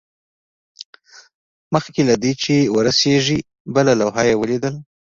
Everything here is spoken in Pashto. مخکې له دې چې ورسیږي بله لوحه یې ولیدل